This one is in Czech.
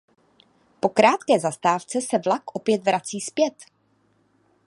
Po krátké zastávce se vlak opět vrací zpět.